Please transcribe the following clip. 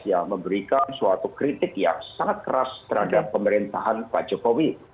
ya memberikan suatu kritik yang sangat keras terhadap pemerintahan pak jokowi